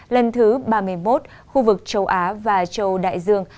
lần thứ ba mươi một khu vực châu á và châu đại dương